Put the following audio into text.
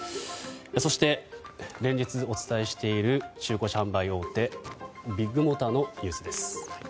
そして、連日お伝えしている中古車販売大手ビッグモーターのニュースです。